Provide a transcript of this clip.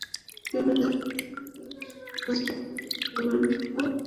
শেষবার দেখা হয়েছে, বছর দশেক আগে লন্ডনে, তাও একটি ছবির শুটিংয়ে।